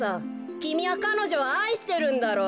きみはかのじょをあいしてるんだろう？